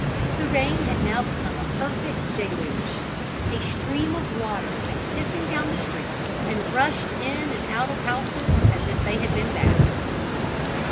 The rain had now become a perfect deluge. A stream of water went hissing down the street, and rushed in and out of the houses as if they had been baths.